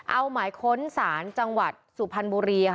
เอาหมายค้นศาลจังหวัดสุพรรณบุรี